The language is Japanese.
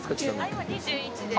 今２１です。